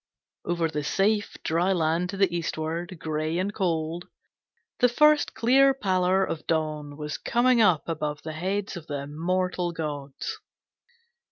Over the safe dry land to eastward, grey and cold, the first clear pallor of dawn was coming up above the heads of the immortal gods.